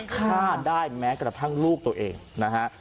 ฆ่าได้แม้กระทั่งลูกตัวเองนะฮะ